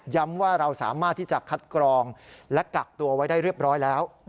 ว่าเราสามารถที่จะคัดกรองและกักตัวไว้ได้เรียบร้อยแล้ว